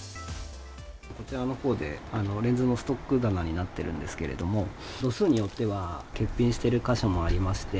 こちらのほうで、レンズのストック棚になってるんですけども、度数によっては欠品している箇所もありまして。